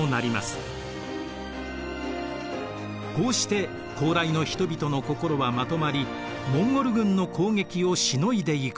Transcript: こうして高麗の人々の心はまとまりモンゴル軍の攻撃をしのいでいくのです。